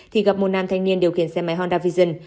thì gặp một nam thanh niên điều khiển xe máy honda vision